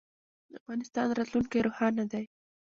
د افغانستان راتلونکی روښانه دی